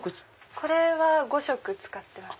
これは５色使ってます。